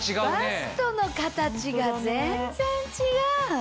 バストの形が全然違う！